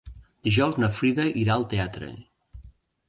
Dijous na Frida irà al teatre.